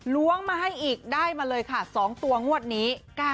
ล้วงมาให้อีกได้มาเลยค่ะ๒ตัวงวดนี้